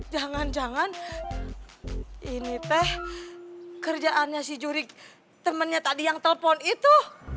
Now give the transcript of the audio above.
jangan jangan ini teteh kerjaannya si jurik temennya tadi yang telfon itu